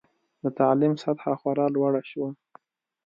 د تعلیم سطحه خورا لوړه شوه.